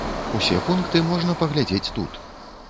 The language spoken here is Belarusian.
Усе пункты можна паглядзець тут.